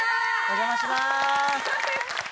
お邪魔します。